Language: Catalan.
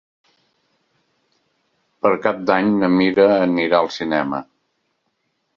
Per Cap d'Any na Mira anirà al cinema.